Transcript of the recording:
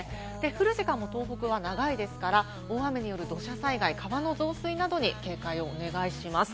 降る時間も東北は長いですから、大雨による土砂災害、川の増水などに警戒をお願いします。